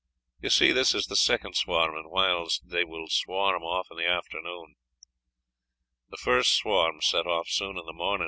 Ye see this is the second swarm, and whiles they will swarm off in the afternoon. The first swarm set off sune in the morning.